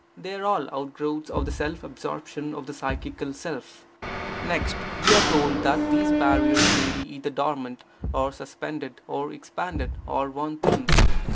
They are all outgrowths of the self absorption of the psychical self. Next, we are told that these barriers may be either dormant, or suspended, or expanded, or worn thin.